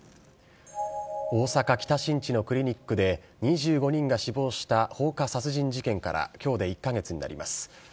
大阪・北新地のクリニックで、２５人が死亡した放火殺人事件からきょうで１か月になります。